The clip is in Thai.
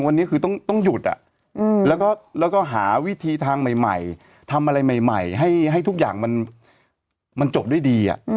วันนี้คือต้องหยุดแล้วก็หาวิธีทางใหม่ทำอะไรใหม่ให้ทุกอย่างมันจบด้วยดี